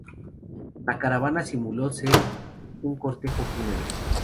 La caravana simuló ser un cortejo fúnebre.